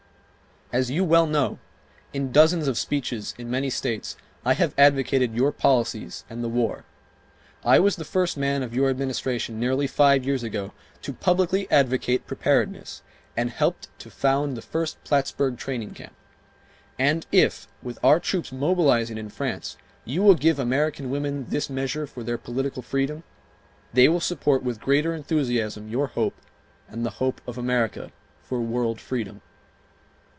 As you well know, in dozens of speeches in many states I have advocated your policies and the war. I was the first man of your Administration, nearly five years ago, to publicly advocate preparedness, and helped to found the first Plattsburg training camp. And if, with our troops mobilizing in France, you will give American women this measure for their political freedom, they will support with greater enthusiasm your hope and the hope of America for world freedom.